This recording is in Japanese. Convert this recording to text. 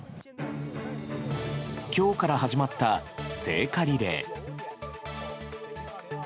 今日から始まった聖火リレー。